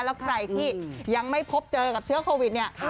แล้วใครที่ยังไม่พบเจอกับเชื้อโควิดเนี่ย